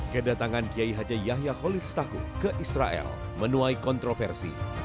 kedatangan kiai haji yahya khalid stakuf ke israel menuai kontroversi